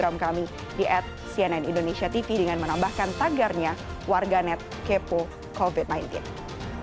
dengan imager rajin mencuci tangan dengan air mengalir dan juga sabun kemudian menjaga jarakolds